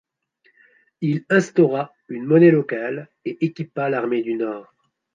Il instaura une monnaie locale, et équipa l’armée du Nord.